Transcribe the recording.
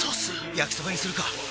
焼きそばにするか！